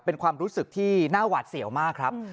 เป็นความรู้สึกที่น่าหวาดเสียวมากครับ